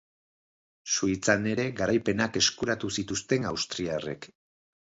Suitzan ere garaipenak eskuratu zituzten austriarrek.